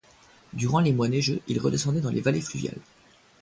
Durant les mois neigeux, ils redescendaient dans les vallées fluviales.